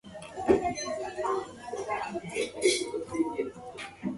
When he died the titles passed to his grandson, the fifth Earl.